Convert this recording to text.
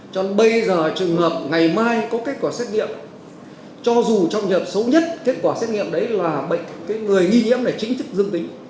trong bây giờ trường hợp ngày mai có kết quả xét nghiệm cho dù trong nhập số nhất kết quả xét nghiệm đấy là người nghi nhiễm này chính thức dương tính